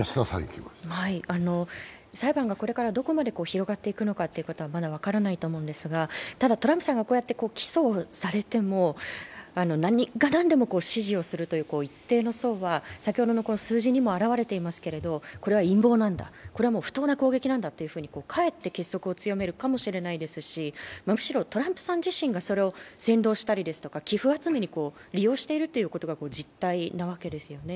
裁判がこれからどこまで広がっていくかはまだ分からないと思うんですが、まだ分からないと思うんですがただトランプさんがこうやって起訴されても何が何でも支持をするという一定の層は先ほどの数字にも現れているんですけれども、これは陰謀なんだ、これは不当な攻撃なんだと、かえって結束を強めるかもしれませんし、むしろトランプさん自身がそれを扇動したり寄付集めをしたりというのが実態なわけですよね。